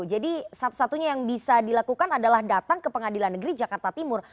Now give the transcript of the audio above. jadi satu satunya yang bisa dilakukan adalah datang ke pengadilan negeri jakarta timur